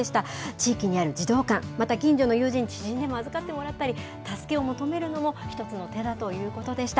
地域にある児童館、また近所の友人、知人にも預かってもらったり、助けを求めるのも、一つの手だということでした。